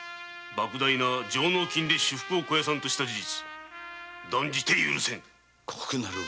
大な上納金で私腹を肥やさんとした事実断じて許せぬ。